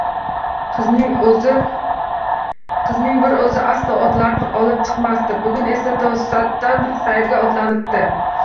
Qizning bir o`zi aslo otlarni olib chiqmasdi, bugun esa to`satdan sayrga otlanibdi